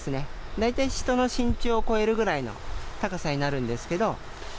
大体人の身長を超えるくらいの高さになるんですけど。